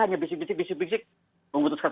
hanya bisik bisik bisik bisik memutuskan